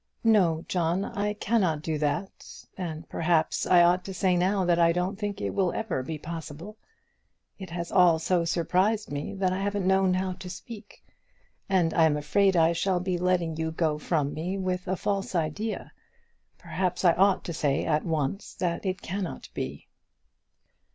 "No, John; I cannot do that; and perhaps I ought to say now that I don't think it will ever be possible. It has all so surprised me, that I haven't known how to speak; and I am afraid I shall be letting you go from me with a false idea. Perhaps I ought to say at once that it cannot be."